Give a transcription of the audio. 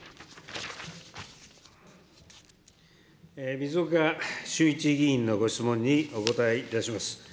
水岡俊一議員のご質問にお答えいたします。